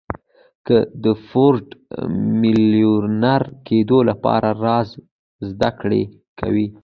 که د فورډ د ميليونر کېدو له رازه زده کړه کوئ.